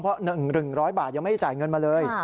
เพราะ๑๐๐บาทยังไม่ได้จ่ายเงินมาเลย